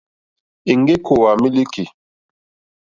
Èŋɡé kòòwà yà mílíkì.